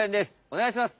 おねがいします！